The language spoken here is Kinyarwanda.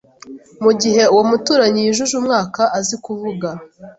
mu gihe uw’umuturanyi yujuje umwaka azi kuvuga